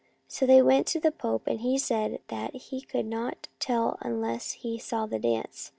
' So they went to the Pope, and he said that he could not tell unless he saw the dance.